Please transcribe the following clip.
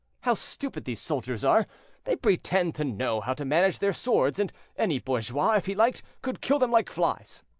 how stupid these soldiers are; they pretend to know how to manage their swords, and any bourgeois, if he liked, could kill them like flies.